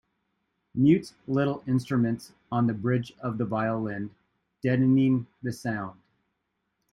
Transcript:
Mutes little instruments on the bridge of the violin, deadening the sound.